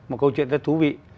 một câu chuyện rất thú vị